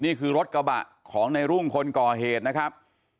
นี่คือรถกระบะของในรุ่งคนก่อเหตุนะครับ